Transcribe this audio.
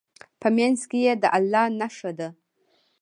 په منځ کې یې د الله نښه ده.